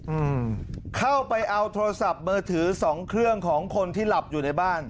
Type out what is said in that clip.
อืมเข้าไปเอาโทรศัพท์มือถือสองเครื่องของคนที่หลับอยู่ในบ้าน